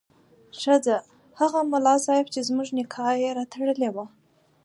ښځه: هغه ملا صیب چې زموږ نکاح یې راتړلې وه